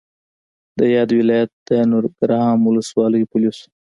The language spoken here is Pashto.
د یاد ولایت د نورګرام ولسوالۍ پولیسو